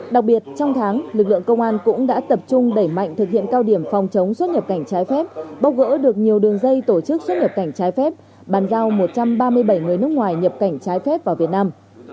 đặc biệt trong tháng lực lượng công an cũng đã tập trung đẩy mạnh thực hiện cao điểm phòng chống xuất nhập cảnh trái phép bốc gỡ được nhiều đường dây tổ chức xuất nhập cảnh trái phép bàn giao một trăm ba mươi bảy người nước ngoài nhập cảnh trái phép vào việt nam